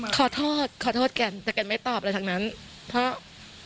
ขอโทษขอโทษกันแต่แกนไม่ตอบอะไรทั้งนั้นเพราะ